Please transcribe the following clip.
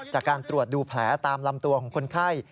จากการตรวจดูแผลตามลำตัวของคนไข้